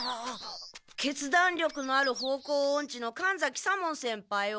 決断力のある方向オンチの神崎左門先輩を。